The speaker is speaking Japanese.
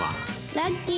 ラッキー！